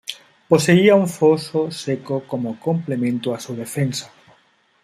Poseía un foso seco como complemento a su defensa.